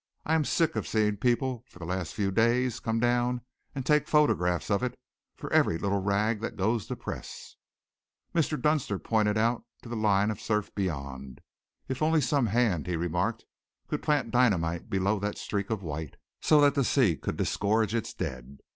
I am sick of seeing people for the last few days come down and take photographs of it for every little rag that goes to press." Mr. Dunster pointed out to the line of surf beyond. "If only some hand," he remarked, "could plant dynamite below that streak of white, so that the sea could disgorge its dead!